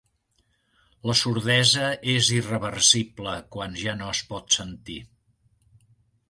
La sordesa és irreversible quan ja no es pot sentir.